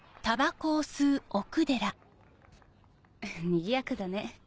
にぎやかだね。